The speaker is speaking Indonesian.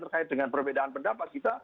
terkait dengan perbedaan pendapat kita